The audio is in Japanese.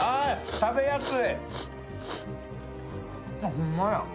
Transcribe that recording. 食べやすい。